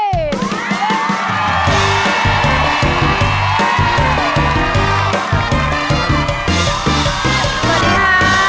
สวัสดีค่ะ